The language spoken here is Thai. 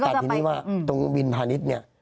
แต่ที่นี้ว่าตรงดังวินพานิชย์